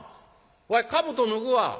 わいかぶと脱ぐわ。